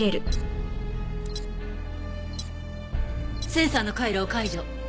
センサーの回路を解除。